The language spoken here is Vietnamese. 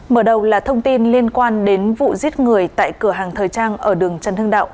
mở đầu là thông tin liên quan đến vụ giết người tại cửa hàng thời trang ở đường trần hưng đạo